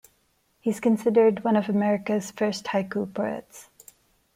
He is considered one of America's first haiku poets.